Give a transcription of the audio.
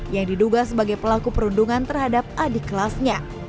yang diduga sebagai pelaku perundungan terhadap adik kelasnya